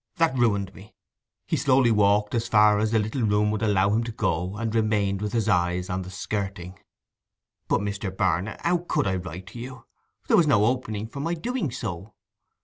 That ruined me!' he slowly walked as far as the little room would allow him to go, and remained with his eyes on the skirting. 'But, Mr. Barnet, how could I write to you? There was no opening for my doing so.